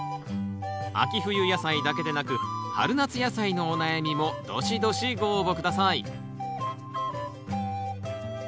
秋冬野菜だけでなく春夏野菜のお悩みもどしどしご応募下さい。